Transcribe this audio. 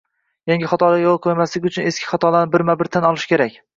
Yangi xatolarga yo'l qo'ymaslik uchun eski xatolarni birma -bir tan olish kerak